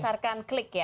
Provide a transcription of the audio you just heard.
berdasarkan klik ya